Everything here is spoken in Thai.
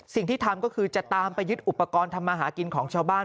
สิ่งที่ทำก็คือจะตามไปยึดอุปกรณ์ทำมาหากินของชาวบ้าน